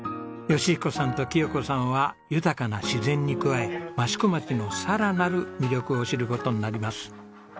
義彦さんと喜代子さんは豊かな自然に加え益子町のさらなる魅力を知る事になります。